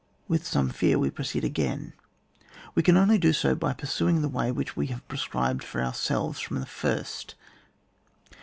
With some fear we proceed again ; we can only do so by pursuing the way which we have prescribed for ourselves from the first.